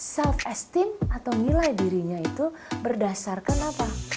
self esteem atau nilai dirinya itu berdasarkan apa